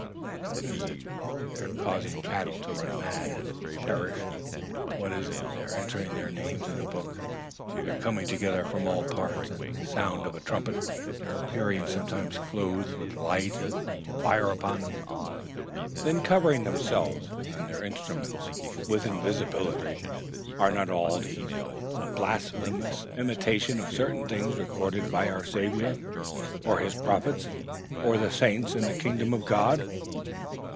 What is their causing cattle to run mad and perish? What is their entering their names in a book, their coming together from all parts at the sound of a trumpet, their appearing sometimes clothed with light and fire upon them, then covering themselves and their instruments with invisibility? Are not all these but a blasphemous imitation of certain things recorded about our Saviour, or his prophets, or the saints in the kingdom of God?"